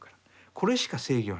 これしか正義はない。